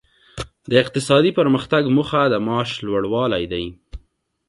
د اقتصادي پرمختګ موخه د معاش لوړوالی دی.